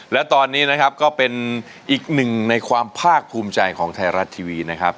และตอนนี้นะครับก็เป็นอีกหนึ่งในความภาคภูมิใจของไทยรัฐทีวีนะครับ